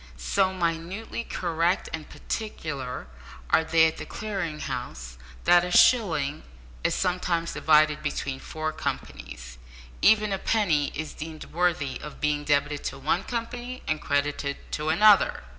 So minutely correct and particular are they at the Clearing House, that a shilling is sometimes divided between four companies. Even a penny is deemed worthy of being debited to one company and credited to another!